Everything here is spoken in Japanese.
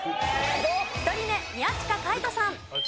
１人目宮近海斗さん。